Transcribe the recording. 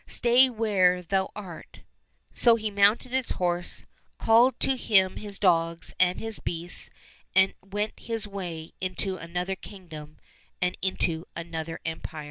Stay where thou art." So he mounted his horse, called to him his dogs and his beasts, and went his way into another kingdom and into another empire.